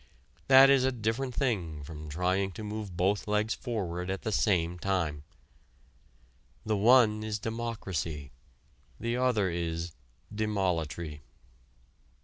That is a different thing from trying to move both legs forward at the same time. The one is democracy; the other is demolatry.